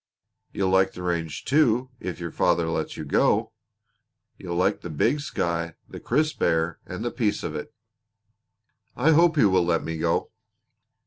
You'll like the range, too, if your father lets you go. You'll like the big sky, the crisp air, and the peace of it." "I hope he will let me go."